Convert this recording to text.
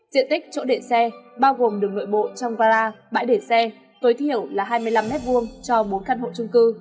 diện tích chỗ để xe bao gồm đường ngợi bộ trong gala bãi để xe tối thiểu là hai mươi năm m hai cho bốn căn hộ chung cư